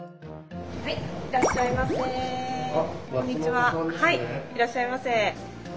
はいいらっしゃいませ。